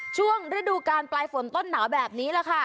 ช่วงฤดูการปลายฝนต้นหนาวแบบนี้แหละค่ะ